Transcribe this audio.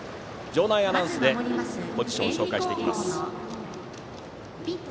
場内アナウンスでポジションを紹介していきます。